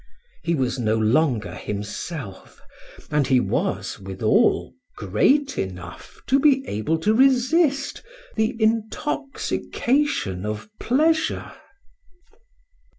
He was no longer himself, and he was, withal, great enough to be able to resist the intoxication of pleasure.